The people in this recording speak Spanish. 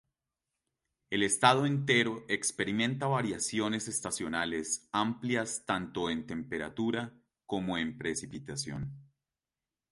El estado entero experimenta variaciones estacionales amplias tanto en temperatura como en precipitación.